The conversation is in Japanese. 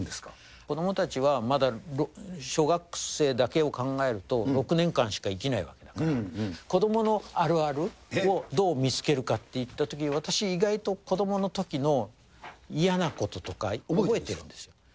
子どもたちはまだ小学生だけを考えると、６年間しか生きないわけだから、子どものあるあるをどう見つけるかっていったとき、私、意外と子どものときの嫌なこととか覚えてるんですよ。